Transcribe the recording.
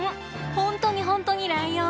本当に本当にライオン。